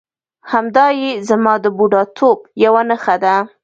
همدایې زما د بوډاتوب یوه نښه ده.